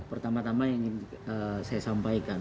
pertama tama yang ingin saya sampaikan